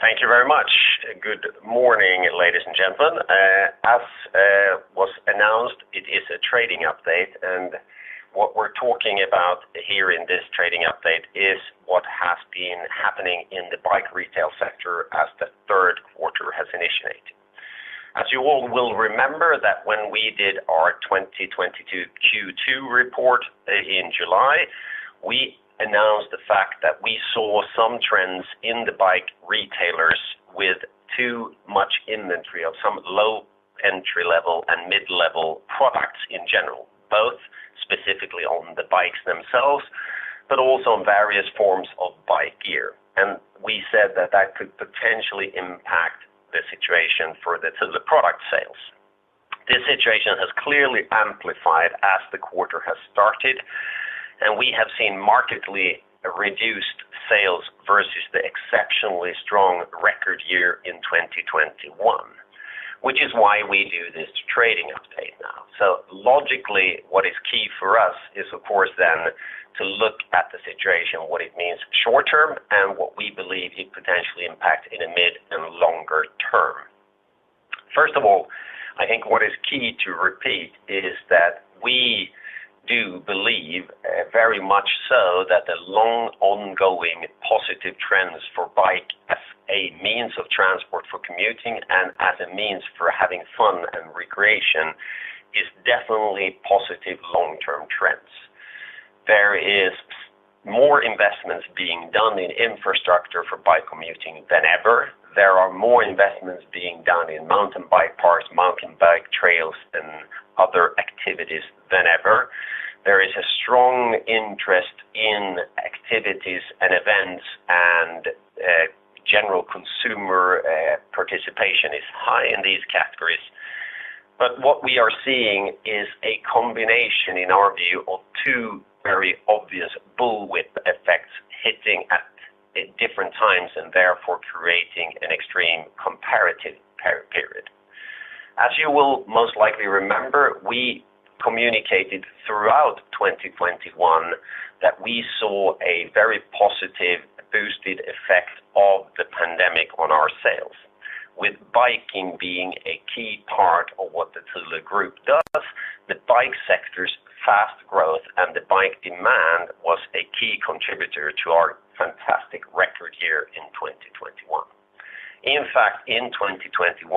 Thank you very much. Good morning, ladies and gentlemen. As was announced, it is a trading update, and what we're talking about here in this trading update is what has been happening in the bike retail sector as the third quarter has initiated. As you all will remember that when we did our 2022 Q2 report in July, we announced the fact that we saw some trends in the bike retailers with too much inventory of some low entry-level and mid-level products in general, both specifically on the bikes themselves, but also on various forms of bike gear. We said that could potentially impact the situation for the Thule product sales. This situation has clearly amplified as the quarter has started, and we have seen markedly reduced sales versus the exceptionally strong record year in 2021, which is why we do this trading update now. Logically, what is key for us is of course then to look at the situation, what it means short-term, and what we believe it potentially impact in a mid and longer term. First of all, I think what is key to repeat is that we do believe very much so that the long ongoing positive trends for bike as a means of transport for commuting and as a means for having fun and recreation is definitely positive long-term trends. There is more investments being done in infrastructure for bike commuting than ever. There are more investments being done in mountain bike parks, mountain bike trails, and other activities than ever. There is a strong interest in activities and events, and general consumer participation is high in these categories. What we are seeing is a combination, in our view, of two very obvious bullwhip effects hitting at different times and therefore creating an extreme comparative per-period. As you will most likely remember, we communicated throughout 2021 that we saw a very positive boosted effect of the pandemic on our sales. With biking being a key part of what the Thule Group does, the bike sector's fast growth and the bike demand was a key contributor to our fantastic record year in 2021. In fact, in 2021,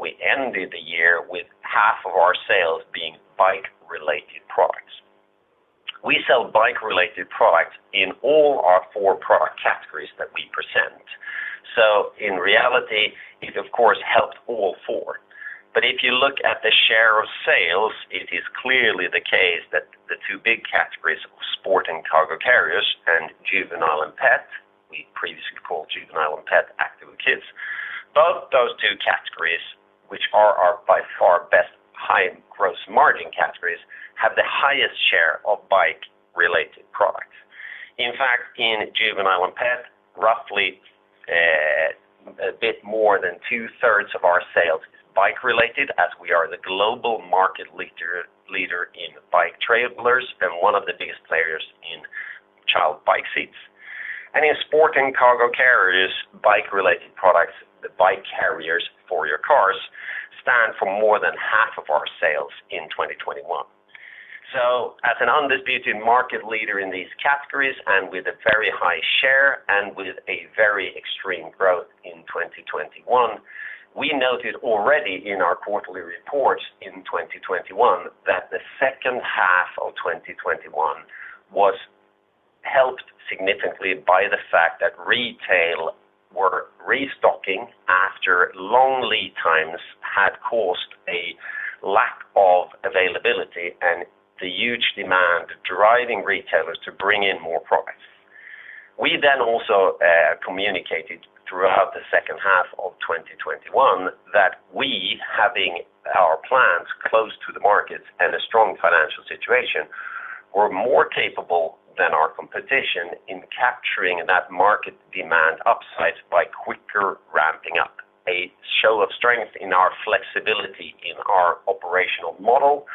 we ended the year with half of our sales being bike-related products. We sell bike-related products in all our 4 product categories that we present. In reality, it of course helped all four. If you look at the share of sales, it is clearly the case that the two big categories of Sport & Cargo Carriers and Juvenile & Pet, we previously called Juvenile & Pet Active with Kids. Both those two categories, which are our by far best high gross margin categories, have the highest share of bike-related products. In fact, in Juvenile & Pet, roughly a bit more than 2/3 of our sales is bike-related as we are the global market leader in bike trailers and one of the biggest players in child bike seats. In Sport & Cargo Carriers, bike-related products, the bike carriers for your cars stand for more than half of our sales in 2021. As an undisputed market leader in these categories and with a very high share and with a very extreme growth in 2021, we noted already in our quarterly reports in 2021 that the second half of 2021 was helped significantly by the fact that retail were restocking after long lead times had caused a lack of availability and the huge demand driving retailers to bring in more products. We also communicated throughout the second half of 2021 that we, having our plans close to the markets and a strong financial situation, were more capable than our competition in capturing that market demand upside by quicker ramping up. A show of strength in our flexibility in our operational model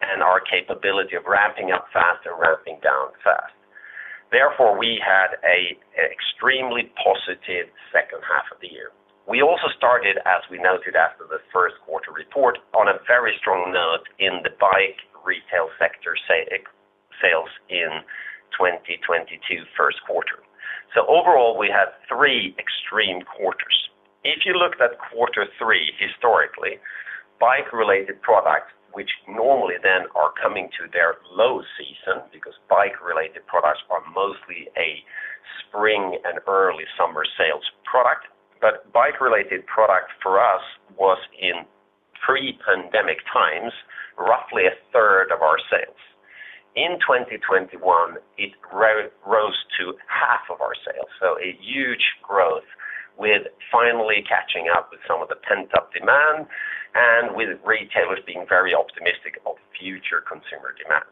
and our capability of ramping up fast and ramping down fast. Therefore, we had an extremely positive second half of the year. We also started, as we noted after the first quarter report, on a very strong note in the bike retail sector sales in 2022 first quarter. Overall, we had three extreme quarters. If you looked at quarter three historically, bike-related products, which normally then are coming to their low season because bike-related products are mostly a spring and early summer sales product. Bike-related product for us was in pre-pandemic times, roughly 1/3 of our sales. In 2021, it rose to 1/2 of our sales, so a huge growth with finally catching up with some of the pent-up demand and with retailers being very optimistic of future consumer demand.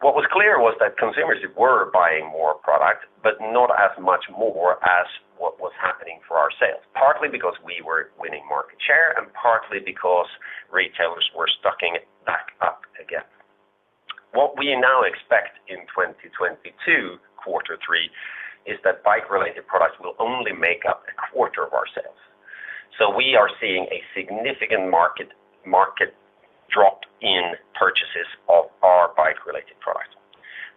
What was clear was that consumers were buying more product, but not as much more as what was happening for our sales, partly because we were winning market share and partly because retailers were stocking back up again. What we now expect in 2022 quarter three is that bike-related products will only make up a quarter of our sales. We are seeing a significant market drop in purchases of our bike-related products.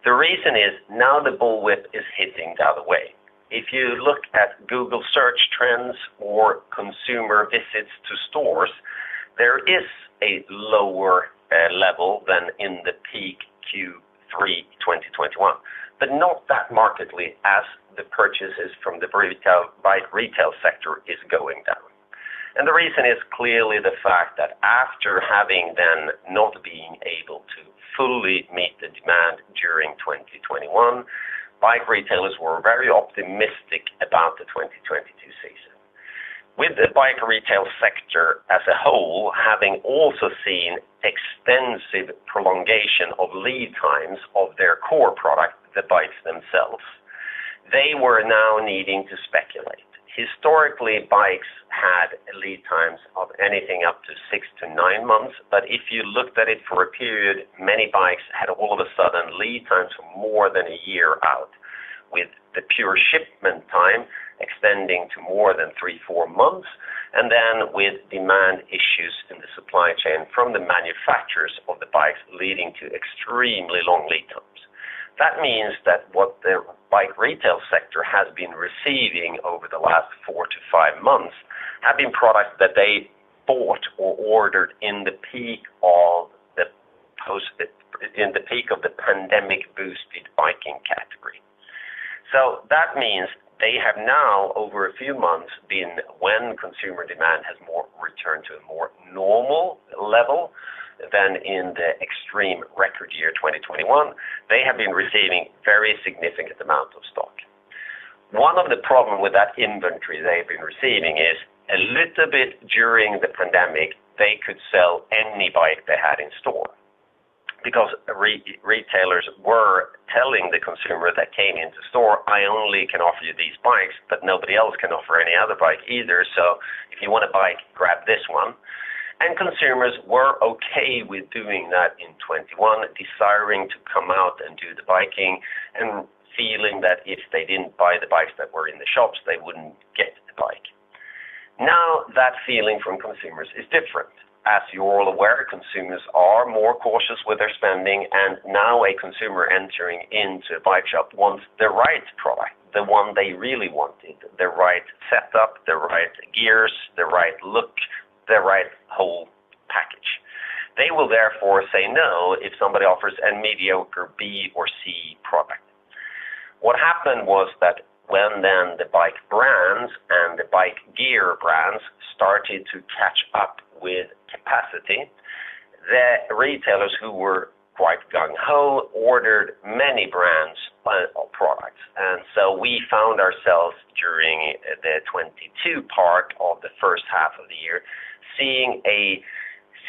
The reason is now the bullwhip is hitting the other way. If you look at Google search trends or consumer visits to stores, there is a lower level than in the peak Q3 2021, but not that markedly as the purchases from the vertical bike retail sector is going down. The reason is clearly the fact that after having them not being able to fully meet the demand during 2021, bike retailers were very optimistic about the 2022 season. With the bike retail sector as a whole having also seen extensive prolongation of lead times of their core product, the bikes themselves, they were now needing to speculate. Historically, bikes had lead times of anything up to six-nine months, but if you looked at it for a period, many bikes had all of a sudden lead times more than a year out, with the pure shipment time extending to more than three-four months, and then with demand issues in the supply chain from the manufacturers of the bikes leading to extremely long lead times. That means that what the bike retail sector has been receiving over the last four-five months have been products that they bought or ordered in the peak of the pandemic-boosted biking category. That means they have now, over a few months, been when consumer demand has more returned to a more normal level than in the extreme record year, 2021, they have been receiving very significant amount of stock. One of the problem with that inventory they've been receiving is a little bit during the pandemic, they could sell any bike they had in store because retailers were telling the consumer that came into store, "I only can offer you these bikes, but nobody else can offer any other bike either. If you want a bike, grab this one." Consumers were okay with doing that in 2021, desiring to come out and do the biking and feeling that if they didn't buy the bikes that were in the shops, they wouldn't get the bike. Now, that feeling from consumers is different. As you're all aware, consumers are more cautious with their spending, and now a consumer entering into a bike shop wants the right product, the one they really wanted, the right setup, the right gears, the right look, the right whole package. They will therefore say no if somebody offers a mediocre B or C product. What happened was that when then the bike brands and the bike gear brands started to catch up with capacity, the retailers who were quite gung ho ordered many brands of products. We found ourselves during the 2022 part of the first half of the year, seeing a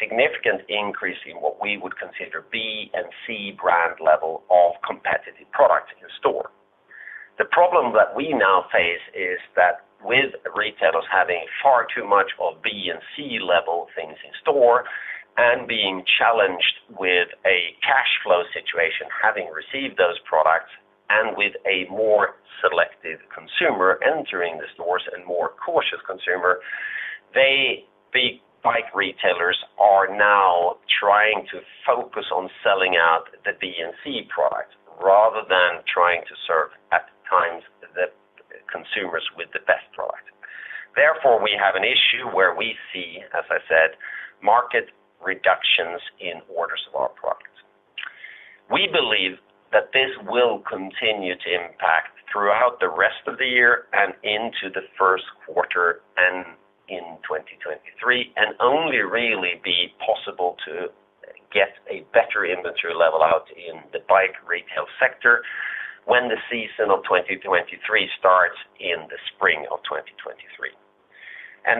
significant increase in what we would consider B and C brand level of competitive products in store. The problem that we now face is that with retailers having far too much of B and C level things in store and being challenged with a cash flow situation, having received those products and with a more selective consumer entering the stores and more cautious consumer, they, the bike retailers are now trying to focus on selling out the B and C product rather than trying to serve at times the consumers with the best product. Therefore, we have an issue where we see, as I said, market reductions in orders of our products. We believe that this will continue to impact throughout the rest of the year and into the first quarter and in 2023, and only really be possible to get a better inventory level out in the bike retail sector when the season of 2023 starts in the spring of 2023.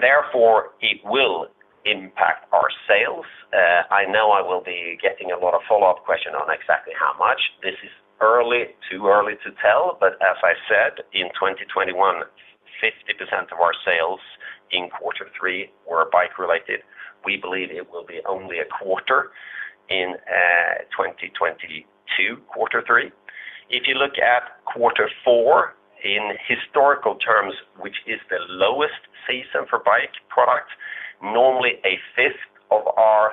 Therefore, it will impact our sales. I know I will be getting a lot of follow-up question on exactly how much. This is early, too early to tell. As I said, in 2021, 50% of our sales in quarter three were bike-related. We believe it will be only a quarter in, 2022 quarter three. If you look at quarter four in historical terms, which is the lowest season for bike products, normally a fifth of our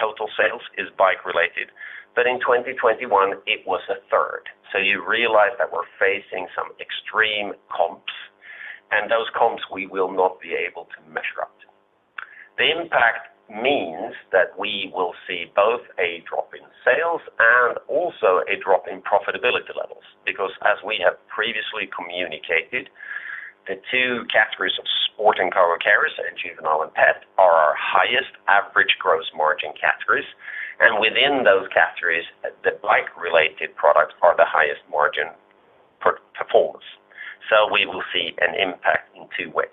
total sales is bike-related. In 2021, it was a third. You realize that we're facing some extreme comps, and those comps we will not be able to measure up to. The impact means that we will see both a drop in sales and also a drop in profitability levels. Because as we have previously communicated, the two categories of Sport & Cargo Carriers and Juvenile & Pet Products are our highest average gross margin categories. Within those categories, the bike-related products are the highest margin performers. We will see an impact in two ways.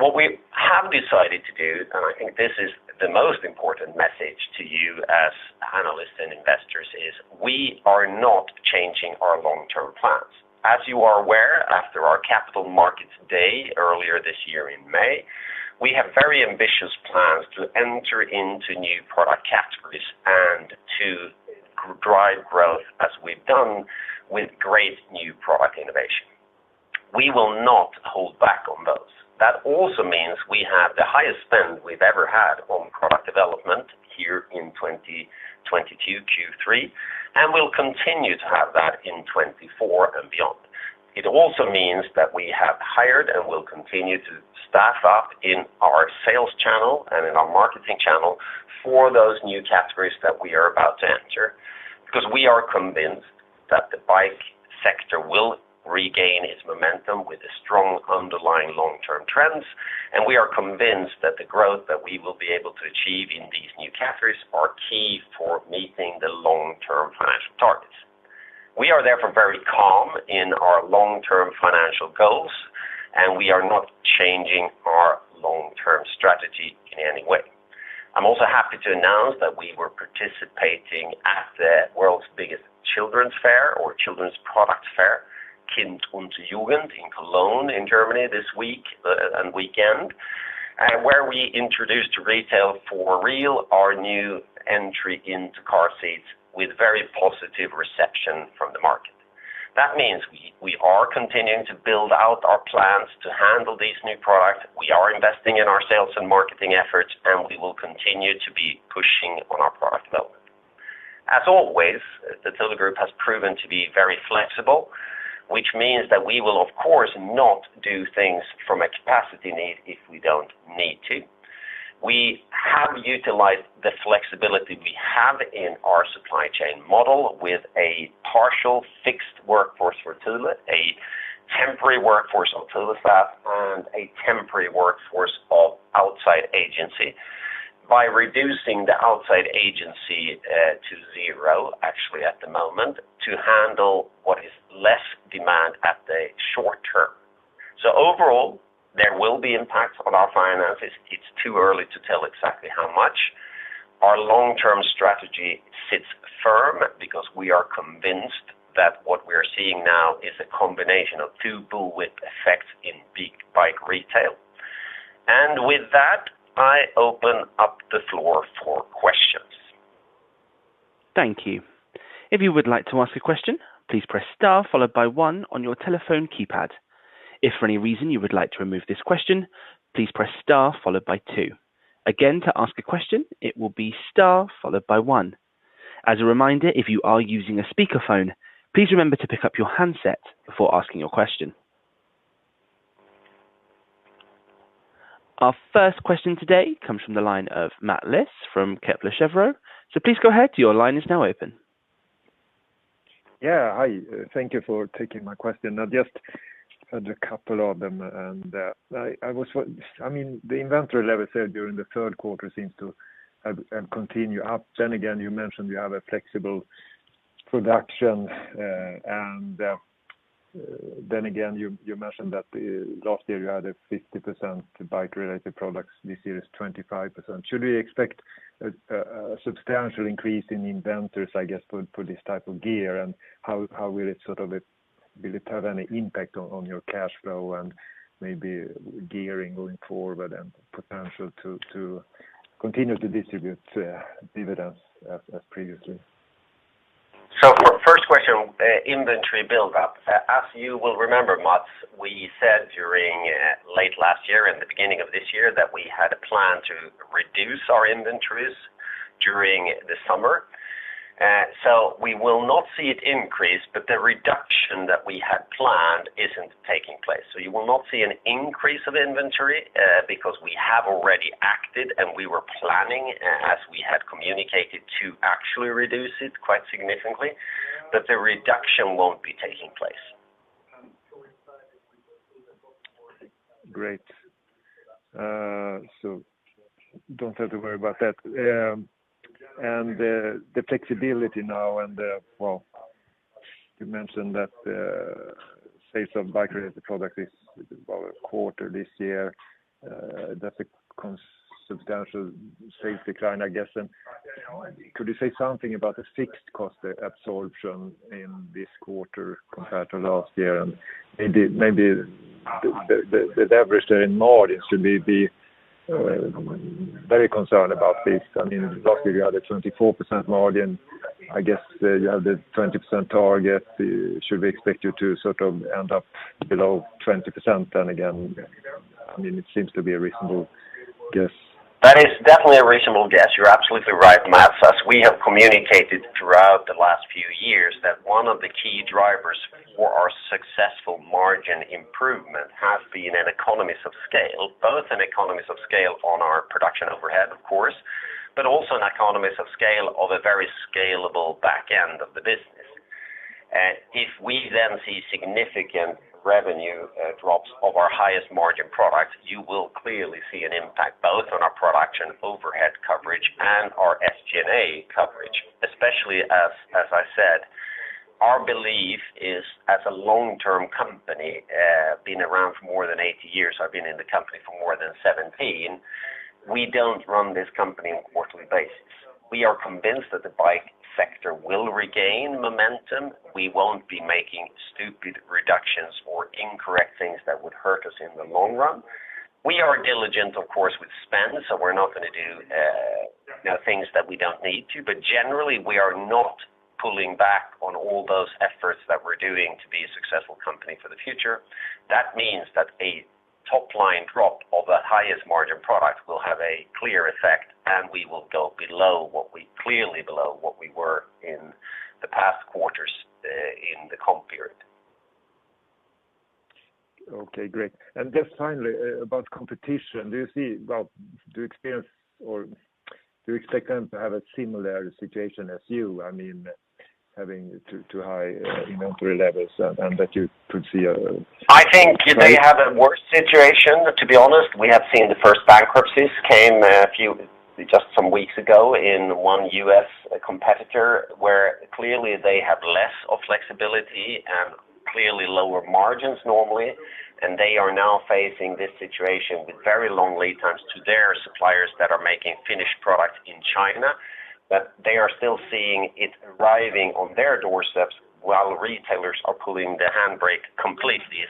What we have decided to do, and I think this is the most important message to you as analysts and investors. We are not changing our long-term plans. As you are aware, after our capital markets day earlier this year in May, we have very ambitious plans to enter into new product categories and to drive growth as we've done with great new product innovation. We will not hold back on those. That also means we have the highest spend we've ever had on product development here in 2022, Q3, and we'll continue to have that in 2024 and beyond. It also means that we have hired and will continue to staff up in our sales channel and in our marketing channel for those new categories that we are about to enter. Because we are convinced that the bike sector will regain its momentum with a strong underlying long-term trends, and we are convinced that the growth that we will be able to achieve in these new categories are key for meeting the long-term financial targets. We are therefore very calm in our long-term financial goals, and we are not changing our long-term strategy in any way. I'm also happy to announce that we were participating at the world's biggest children's fair or children's product fair, Kind + Jugend in Cologne, in Germany this week and weekend, where we introduced retail for real our new entry into car seats with very positive reception from the market. That means we are continuing to build out our plans to handle these new products. We are investing in our sales and marketing efforts, and we will continue to be pushing on our product development. As always, the Thule Group has proven to be very flexible, which means that we will, of course, not do things from a capacity need if we don't need to. We have utilized the flexibility we have in our supply chain model with a partial fixed workforce for Thule, a temporary workforce of Thule staff and a temporary workforce of outside agency. By reducing the outside agency to zero, actually at the moment, to handle what is less demand at the short term. Overall, there will be impacts on our finances. It's too early to tell exactly how much. Our long-term strategy sits firm because we are convinced that what we are seeing now is a combination of two bullwhip effects in peak bike retail. With that, I open up the floor for questions. Thank you. If you would like to ask a question, please press Star followed by one on your telephone keypad. If for any reason you would like to remove this question, please press Star followed by two. Again, to ask a question, it will be Star followed by one. As a reminder, if you are using a speaker phone, please remember to pick up your handset before asking your question. Our first question today comes from the line of Mats Liss from Kepler Cheuvreux. Please go ahead. Your line is now open. Yeah, hi. Thank you for taking my question. I just had a couple of them and, I mean, the inventory level set during the third quarter seems to have continued up. You mentioned you have a flexible production, and you mentioned that last year you had 50% bike-related products, this year is 25%. Should we expect a substantial increase in inventory, I guess, for this type of gear? And how will it sort of. Will it have any impact on your cash flow and maybe gearing going forward and potential to continue to distribute dividends as previously? For first question, inventory build-up. As you will remember, Mats, we said during late last year and the beginning of this year that we had a plan to reduce our inventories during the summer. We will not see it increase, but the reduction that we had planned isn't taking place. You will not see an increase of inventory, because we have already acted and we were planning, as we had communicated, to actually reduce it quite significantly, but the reduction won't be taking place. Great. Don't have to worry about that. The flexibility now and well, you mentioned that sales of bike-related product is about a quarter this year. That's a substantial sales decline, I guess. Could you say something about the fixed cost absorption in this quarter compared to last year? Maybe the leverage there in margin, should we be very concerned about this? I mean, last year you had a 24% margin, I guess, you have the 20% target. Should we expect you to sort of end up below 20% then again? I mean, it seems to be a reasonable guess. That is definitely a reasonable guess. You're absolutely right, Mats. As we have communicated throughout the last few years that one of the key drivers for our successful margin improvement has been economies of scale, both economies of scale on our production overhead, of course, but also economies of scale of a very scalable back end of the business. If we then see significant revenue drops of our highest margin products, you will clearly see an impact both on our production overhead coverage and our SG&A coverage, especially as I said. Our belief is as a long-term company, been around for more than 80 years, I've been in the company for more than 17, we don't run this company on quarterly basis. We are convinced that the bike sector will regain momentum. We won't be making stupid reductions or incorrect things that would hurt us in the long run. We are diligent, of course, with spend, so we're not gonna do, you know, things that we don't need to. Generally, we are not pulling back on all those efforts that we're doing to be a successful company for the future. That means that a top line drop of the highest margin product will have a clear effect, and we will go clearly below what we were in the past quarters, in the comp period. Okay. Great. Just finally, about competition, do you experience or do you expect them to have a similar situation as you? I mean, having too high inventory levels and that you could see, I think they have a worse situation, to be honest. We have seen the first bankruptcies came a few, just some weeks ago in one US competitor, where clearly they have less of flexibility and clearly lower margins normally, and they are now facing this situation with very long lead times to their suppliers that are making finished products in China. They are still seeing it arriving on their doorsteps while retailers are pulling the handbrake completely.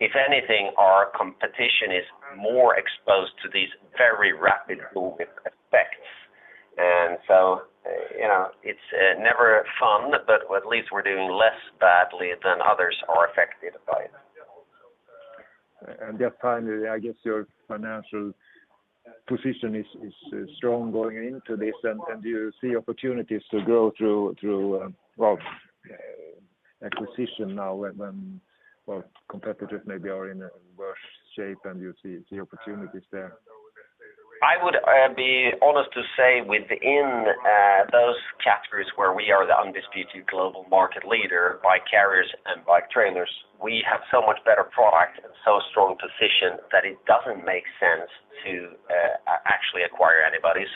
If anything, our competition is more exposed to these very rapid movement effects. You know, it's never fun, but at least we're doing less badly than others are affected by it. Just finally, I guess your financial position is strong going into this and you see opportunities to grow through well acquisition now when Well, competitors maybe are in a worse shape and you see opportunities there. I would be honest to say within those categories where we are the undisputed global market leader, bike carriers and bike trailers, we have so much better product and so strong position that it doesn't make sense to actually acquire anybody.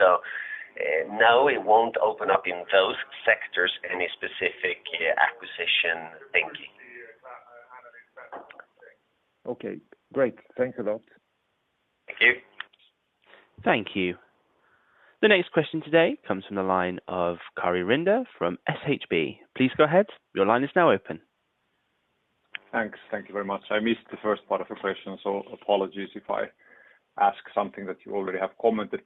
No, it won't open up in those sectors any specific acquisition thinking. Okay, great. Thanks a lot. Thank you. Thank you. The next question today comes from the line of Karri Rinta from SHB. Please go ahead. Your line is now open. Thanks. Thank you very much. I missed the first part of the question, so apologies if I ask something that you already have commented.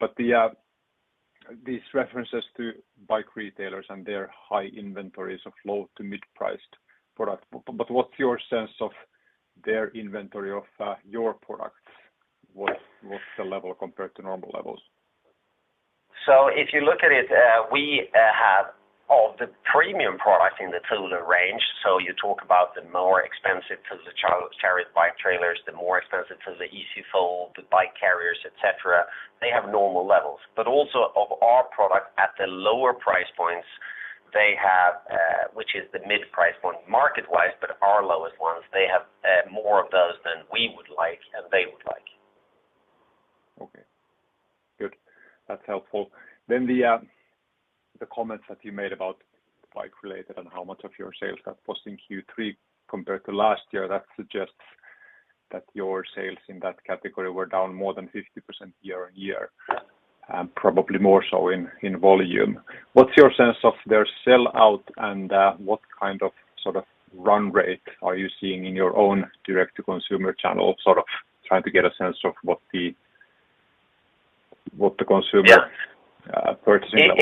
These references to bike retailers and their high inventories of low to mid-priced product, but what's your sense of their inventory of your products? What's the level compared to normal levels? If you look at it, we have all the premium products in the Thule range. You talk about the more expensive Thule Chariot bike trailers, the more expensive Thule EasyFold, the bike carriers, et cetera. They have normal levels. Also of our product at the lower price points, they have which is the mid-price point market-wise, but our lowest ones, they have more of those than we would like and they would like. Okay. Good. That's helpful. The comments that you made about bike related and how much of your sales got posted in Q3 compared to last year, that suggests that your sales in that category were down more than 50% year-on-year, and probably more so in volume. What's your sense of their sell out and what kind of sort of run rate are you seeing in your own direct to consumer channel, sort of trying to get a sense of what the consumer. Yeah purchasing level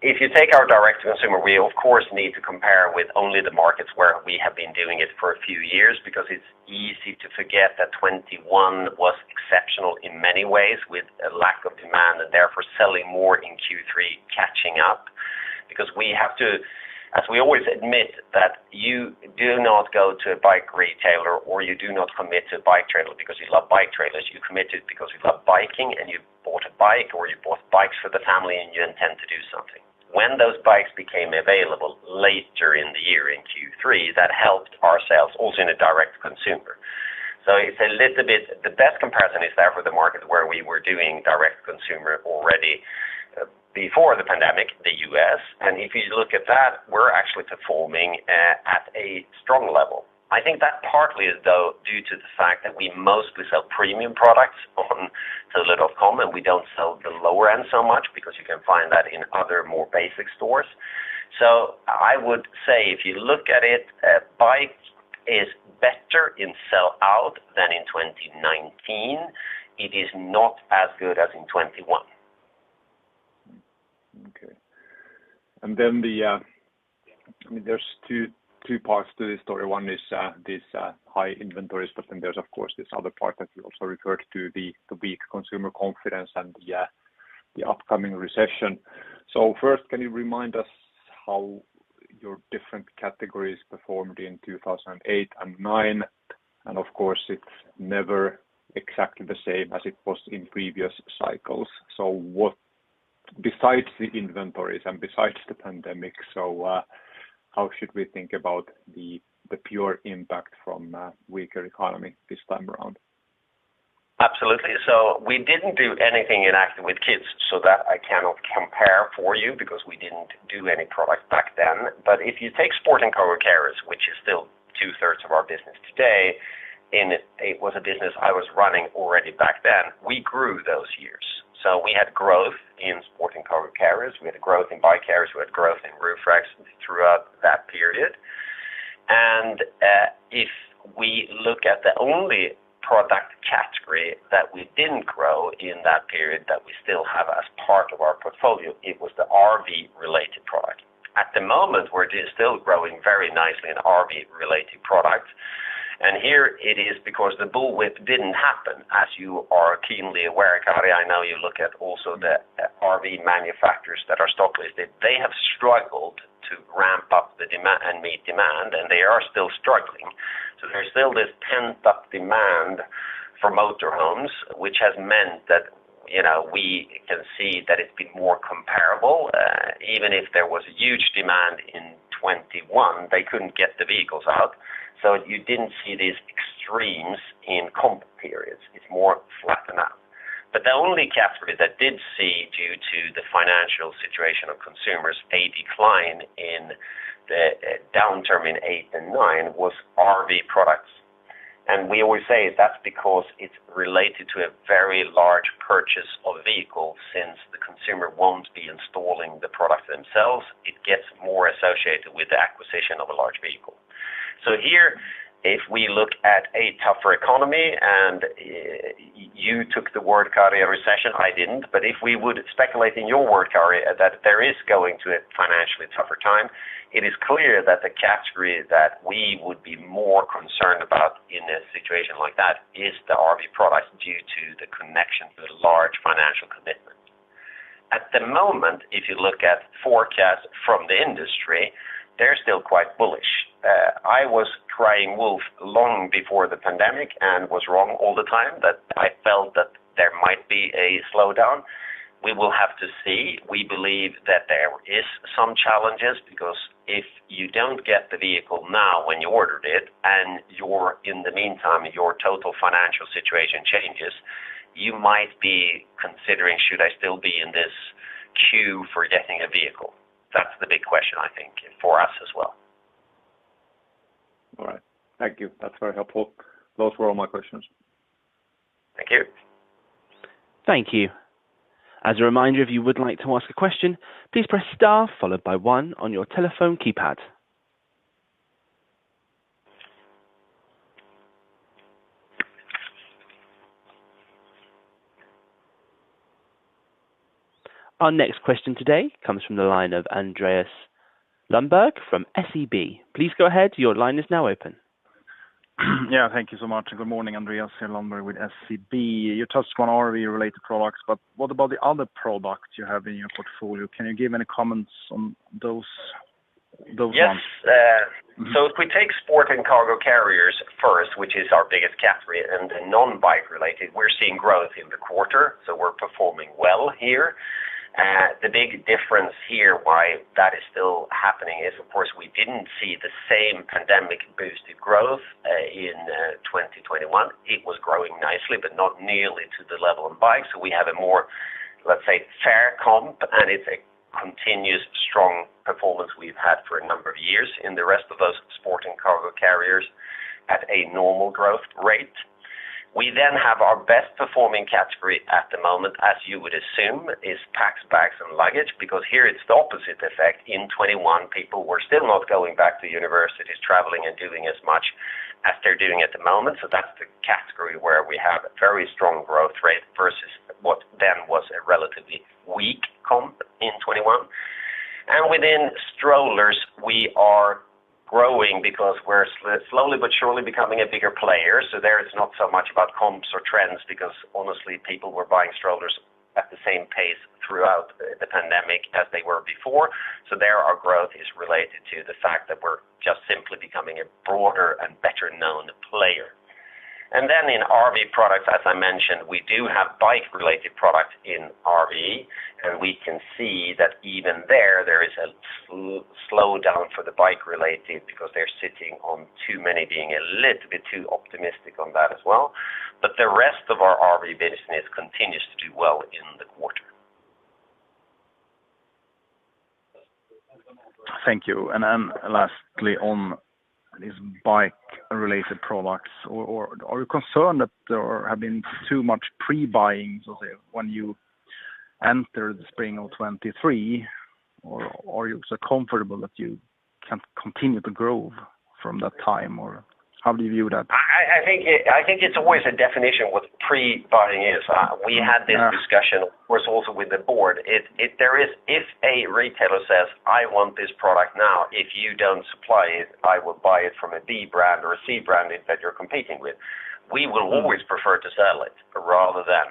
If you take our direct to consumer, we of course need to compare with only the markets where we have been doing it for a few years because it's easy to forget that 2021 was exceptional in many ways with a lack of demand and therefore selling more in Q3 catching up. As we always admit that you do not go to a bike retailer or you do not commit to bike trailer because you love bike trailers, you commit it because you love biking and you bought a bike or you bought bikes for the family and you intend to do something. When those bikes became available later in the year in Q3, that helped our sales also in a direct consumer. It's a little bit. The best comparison is there for the markets where we were doing direct consumer already before the pandemic, the US. If you look at that, we're actually performing at a strong level. I think that partly is though due to the fact that we mostly sell premium products on thule.com, and we don't sell the lower end so much because you can find that in other more basic stores. I would say if you look at it, bike is better in sell out than in 2019. It is not as good as in 2021. Okay. Then I mean, there's two parts to this story. One is this high inventories, but then there's of course this other part that you also referred to, the weak consumer confidence and the upcoming recession. First, can you remind us how your different categories performed in 2008 and 2009? Of course, it's never exactly the same as it was in previous cycles. Besides the inventories and besides the pandemic, how should we think about the pure impact from a weaker economy this time around? Absolutely. We didn't do anything in Active with Kids, so that I cannot compare for you because we didn't do any product back then. If you take Sport & Cargo Carriers, which is still two-thirds of our business today, and it was a business I was running already back then, we grew those years. We had growth in Sport & Cargo Carriers, we had growth in bike carriers, we had growth in roof racks throughout that period. If we look at the only product category that we didn't grow in that period that we still have as part of our portfolio, it was the RV Products. At the moment, we're still growing very nicely in RV Products. Here it is because the bullwhip didn't happen. As you are keenly aware, Kari, I know you look at also the RV manufacturers that are stock listed. They have struggled to ramp up the demand and meet demand, and they are still struggling. There's still this pent-up demand for motor homes, which has meant that, you know, we can see that it's been more comparable. Even if there was huge demand in 2021, they couldn't get the vehicles out. You didn't see these extremes in comp periods. It's more flattened out. The only category that did see, due to the financial situation of consumers, a decline in the downturn in 2008 and 2009 was RV Products. We always say that's because it's related to a very large purchase of a vehicle. Since the consumer won't be installing the product themselves, it gets more associated with the acquisition of a large vehicle. Here, if we look at a tougher economy and you took the word, Kari, a recession, I didn't. If we would speculate in your word, Kari, that there is going to be a financially tougher time, it is clear that the category that we would be more concerned about in a situation like that is the RV Products due to the connection to the large financial commitment. At the moment, if you look at forecasts from the industry, they're still quite bullish. I was crying wolf long before the pandemic and was wrong all the time, but I felt that there might be a slowdown. We will have to see. We believe that there is some challenges because if you don't get the vehicle now when you ordered it and your, in the meantime, your total financial situation changes, you might be considering, should I still be in this queue for getting a vehicle? That's the big question, I think, for us as well. All right. Thank you. That's very helpful. Those were all my questions. Thank you. Thank you. As a reminder, if you would like to ask a question, please press star followed by one on your telephone keypad. Our next question today comes from the line of Andreas Lundberg from SEB. Please go ahead. Your line is now open. Yeah, thank you so much. Good morning, Andreas Lundberg with SEB. You touched on RV-related products, but what about the other products you have in your portfolio? Can you give any comments on those ones? Yes. If we take Sport & Cargo Carriers first, which is our biggest category and non-bike related, we're seeing growth in the quarter. We're performing well here. The big difference here why that is still happening is of course, we didn't see the same pandemic boosted growth in 2021. It was growing nicely but not nearly to the level of bikes. We have a more, let's say, fair comp, and it's a continuous strong performance we've had for a number of years in the rest of those Sport & Cargo Carriers at a normal growth rate. We have our best performing category at the moment, as you would assume, is Packs, Bags & Luggage, because here it's the opposite effect. In 2021, people were still not going back to universities, traveling and doing as much as they're doing at the moment. That's the category where we have a very strong growth rate versus what then was a relatively weak comp in 2021. Within strollers we are growing because we're slowly but surely becoming a bigger player. There it's not so much about comps or trends because honestly people were buying strollers at the same pace throughout the pandemic as they were before. There our growth is related to the fact that we're just simply becoming a broader and better known player. Then in RV Products, as I mentioned, we do have bike related products in RV, and we can see that even there is a slowdown for the bike related because they're sitting on too many being a little bit too optimistic on that as well. The rest of our RV business continues to do well in the quarter. Thank you. Then lastly on these bike related products, or are you concerned that there have been too much pre-buying, so say, when you enter the spring of 2023? Or you're so comfortable that you can continue to grow from that time? Or how do you view that? I think it's always a definition what pre-buying is. We had this discussion of course also with the board. If a retailer says, "I want this product now, if you don't supply it, I will buy it from a B brand or a C brand that you're competing with." We will always prefer to sell it rather than.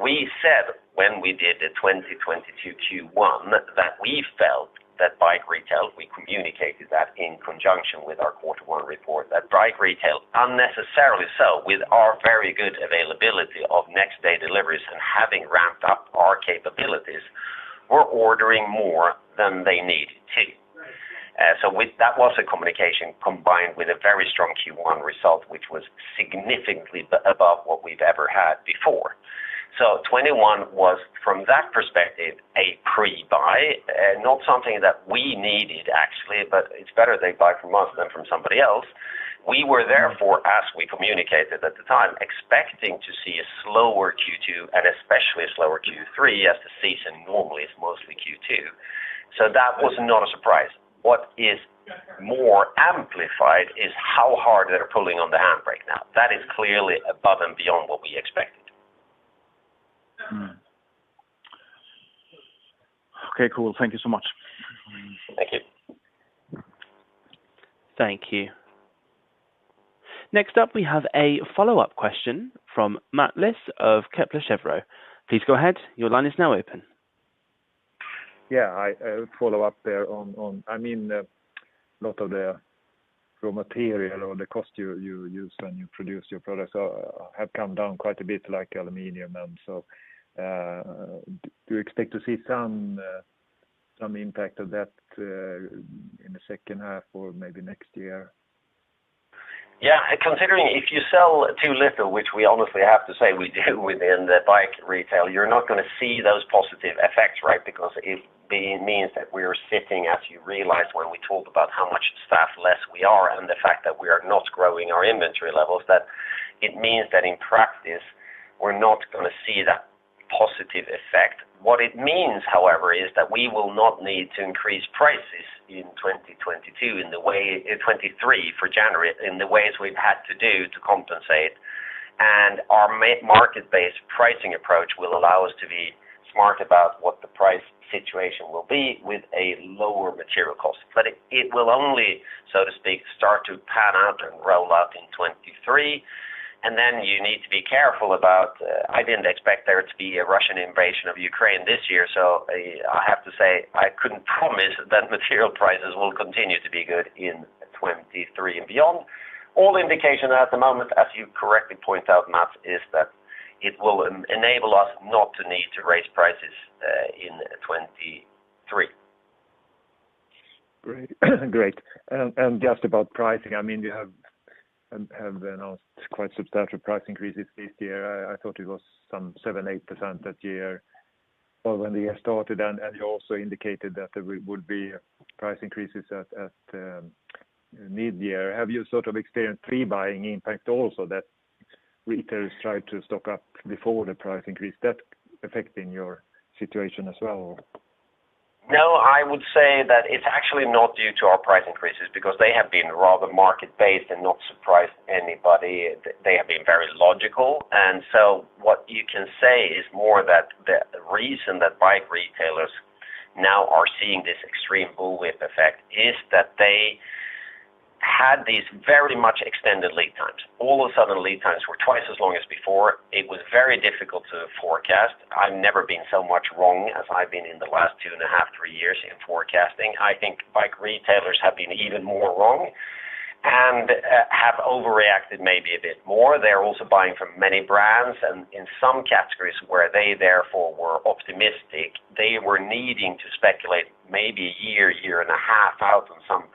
We said when we did the 2022 Q1 that we felt that bike retail, we communicated that in conjunction with our quarter one report, that bike retail unnecessarily so with our very good availability of next day deliveries and having ramped up our capabilities, we're ordering more than they need to. With that was a communication combined with a very strong Q1 result, which was significantly above what we've ever had before. 21 was, from that perspective, a pre-buy and not something that we needed actually, but it's better they buy from us than from somebody else. We were therefore, as we communicated at the time, expecting to see a slower Q2 and especially a slower Q3 as the season normally is mostly Q2. That was not a surprise. What is more amplified is how hard they are pulling on the handbrake now. That is clearly above and beyond what we expected. Okay, cool. Thank you so much. Thank you. Thank you. Next up, we have a follow-up question from Mats Liss of Kepler Cheuvreux. Please go ahead. Your line is now open. Yeah. I follow up there on, I mean, a lot of the raw material or the cost you use when you produce your products have come down quite a bit like aluminum. Do you expect to see some impact of that in the second half or maybe next year? Yeah. Considering if you sell too little, which we honestly have to say we do within the bike retail, you're not gonna see those positive effects, right? It means that we are sitting, as you realize, when we talk about how much less staffed we are and the fact that we are not growing our inventory levels, that it means that in practice, we're not gonna see that positive effect. What it means, however, is that we will not need to increase prices in 2023 for January in the ways we've had to do to compensate. Our market-based pricing approach will allow us to be smart about what the price situation will be with a lower material cost. It will only, so to speak, start to pan out and roll out in 2023. I didn't expect there to be a Russian invasion of Ukraine this year, so I have to say, I couldn't promise that material prices will continue to be good in 2023 and beyond. All indications at the moment, as you correctly point out, Mats, is that it will enable us not to need to raise prices in 2023. Great. Just about pricing, I mean, you have announced quite substantial price increases this year. I thought it was some seven-8% that year or when the year started, and you also indicated that there would be price increases at mid-year. Have you sort of experienced pre-buying impact also that retailers try to stock up before the price increase that's affecting your situation as well? No. I would say that it's actually not due to our price increases because they have been rather market-based and not surprised anybody. They have been very logical. What you can say is more that the reason that bike retailers now are seeing this extreme bullwhip effect is that they had these very much extended lead times. All of a sudden, lead times were twice as long as before. It was very difficult to forecast. I've never been so much wrong as I've been in the last two and a half, three years in forecasting. I think bike retailers have been even more wrong and have overreacted maybe a bit more. They're also buying from many brands. In some categories where they therefore were optimistic, they were needing to speculate maybe a year and a half out on some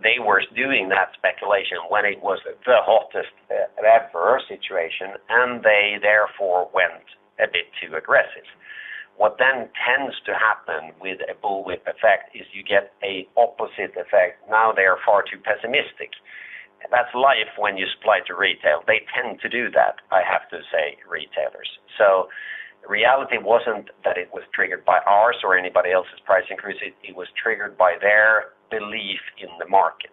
products. They were doing that speculation when it was the hottest ever situation, and they therefore went a bit too aggressive. What then tends to happen with a bullwhip effect is you get an opposite effect. Now they are far too pessimistic. That's life when you supply to retail. They tend to do that, I have to say, retailers. Reality wasn't that it was triggered by ours or anybody else's price increase. It was triggered by their belief in the market.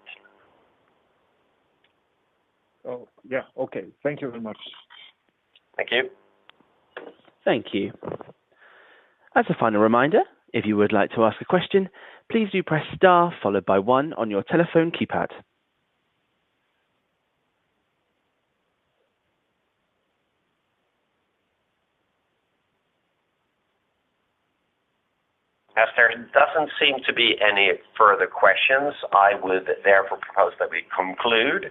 Oh, yeah. Okay. Thank you very much. Thank you. Thank you. As a final reminder, if you would like to ask a question, please do press star followed by one on your telephone keypad. As there doesn't seem to be any further questions, I would therefore propose that we conclude.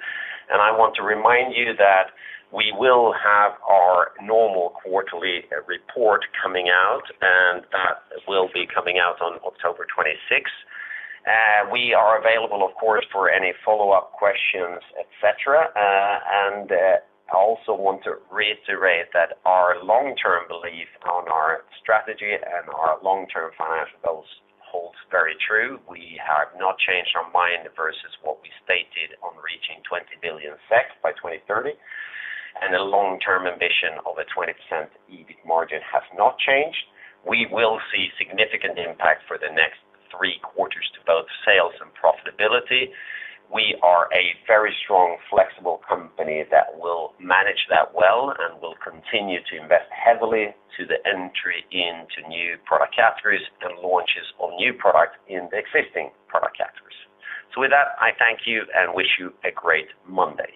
I want to remind you that we will have our normal quarterly report coming out, and that will be coming out on October 26th. We are available, of course, for any follow-up questions, etc. I also want to reiterate that our long-term belief on our strategy and our long-term financial goals holds very true. We have not changed our mind versus what we stated on reaching 20 billion SEK by 2030, and a long-term ambition of a 20% EBIT margin has not changed. We will see significant impact for the next three quarters to both sales and profitability. We are a very strong, flexible company that will manage that well and will continue to invest heavily to the entry into new product categories and launches of new products in the existing product categories. With that, I thank you and wish you a great Monday.